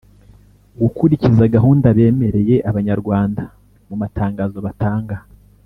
gukurikiza gahunda bemereye abanyarwanda mu matangazo batanga